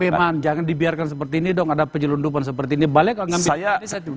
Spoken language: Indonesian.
tapi man jangan dibiarkan seperti ini dong ada penyelundupan seperti ini balik lagi